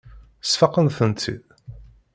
Sfaqen-tent-id.